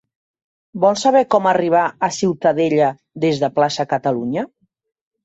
Vol saber com arribar a Ciutadella des de Plaça Catalunya?